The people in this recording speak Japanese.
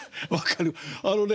あのね